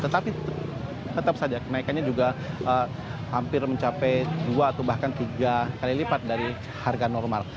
tetapi tetap saja kenaikannya juga hampir mencapai dua atau bahkan tiga kali lipat dari harga normal